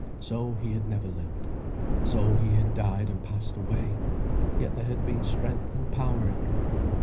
So, he had never lived. So, he had died and passed away. Yet there had been strength and power in him.